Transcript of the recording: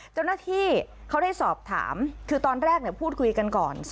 เจ้าหน้าที่เขาได้สอบถามคือตอนแรกพูดคุยกันก่อน